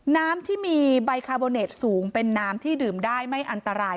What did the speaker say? น้ำที่มีใบคาร์โบเนตสูงเป็นน้ำที่ดื่มได้ไม่อันตราย